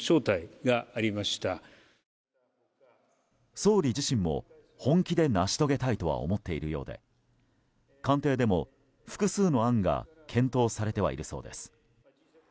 総理自身も本気で成し遂げたいとは思っているようで官邸でも複数の案が検討されてはいるそうです。